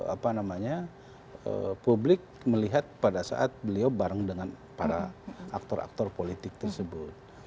apa namanya publik melihat pada saat beliau bareng dengan para aktor aktor politik tersebut